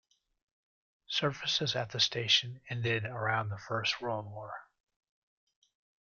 Services at the station ended around the First World War.